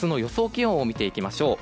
気温を見ていきましょう。